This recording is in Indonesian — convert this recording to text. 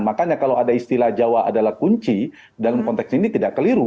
makanya kalau ada istilah jawa adalah kunci dalam konteks ini tidak keliru